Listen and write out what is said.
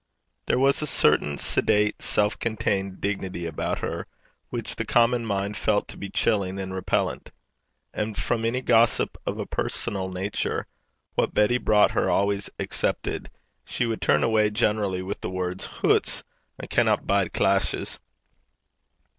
There was a certain sedate self contained dignity about her which the common mind felt to be chilling and repellant; and from any gossip of a personal nature what Betty brought her always excepted she would turn away, generally with the words, 'Hoots! I canna bide clashes.'